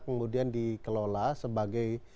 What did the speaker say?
kemudian dikelola sebagai